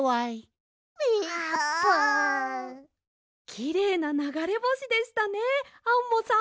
きれいなながれぼしでしたねアンモさん。